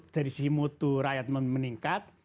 dari sisi mutu rakyat meningkat